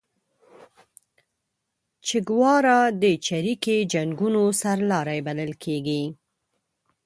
چیګوارا د چریکي جنګونو سرلاری بللل کیږي